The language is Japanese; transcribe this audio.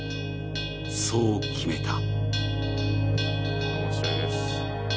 そう決めた。